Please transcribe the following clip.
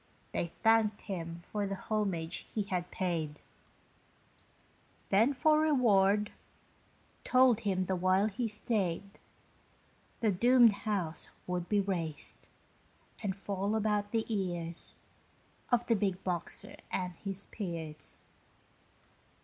They thanked him for the homage he had paid; Then, for reward, told him the while he stayed The doom'd house would be rased, And fall about the ears Of the big boxer and his peers.